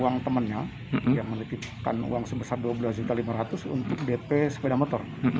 uang temannya yang menitipkan uang sebesar dua belas lima ratus untuk dp sepeda motor